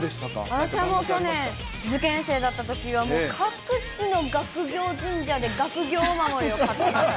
私はもう去年、受験生だったときは、もう各地の学業神社で学業お守りを買っていました。